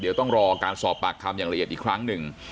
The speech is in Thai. เดี๋ยวต้องรอการสอบปากคำอย่างละเอียดอีกครั้งหนึ่ง